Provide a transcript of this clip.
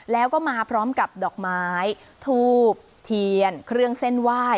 แล้วก็มาพร้อมกับดอกไม้ทูบเทียนเครื่องเส้นไหว้